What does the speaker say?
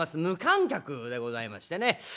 無観客でございましてね。